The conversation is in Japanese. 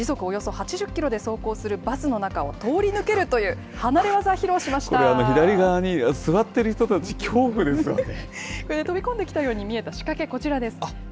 およそ８０キロで走行するバスの中を通り抜けるという離これ、左側に座ってる人たち、飛び込んできたように見えた仕掛け、こちらです。